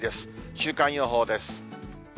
週間予報です。